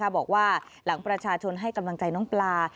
บอกว่าหลังประชาชนให้กำลังใจน้องปลา